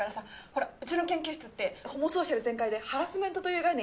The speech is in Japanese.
ほらうちの研究室ってホモソーシャル全開でハラスメントという概念